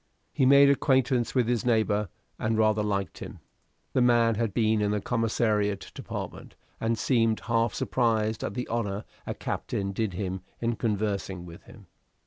He made acquaintance with his neighbor, and rather liked him. The man had been in the Commissariat Department, and seemed half surprised at the honor a captain did him in conversing with him.